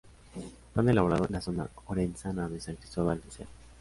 Pan elaborado en la zona orensana de San Cristóbal de Cea.